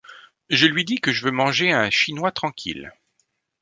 Je lui dis que je veux manger un chinois tranquille.